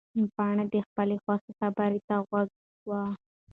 پاڼه د خپلې خواښې خبرو ته غوږ وه.